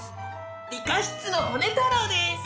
理科室のホネ太郎です。